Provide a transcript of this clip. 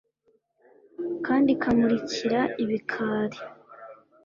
kandi kamurikira ibikari